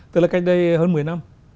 tức là cách đây hơn một mươi năm